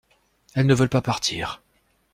Elles ne veulent pas partir.